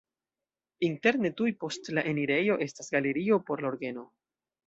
Interne tuj post la enirejo estas galerio por la orgeno.